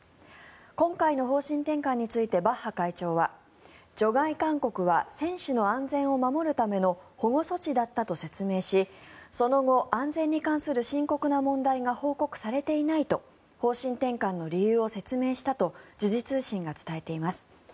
今回の方針転換についてバッハ会長は除外勧告は選手の安全を守るための保護措置だったと説明しその後、安全に関する深刻な問題が報告されていないと方針転換の理由を説明したと時事通信が伝えています。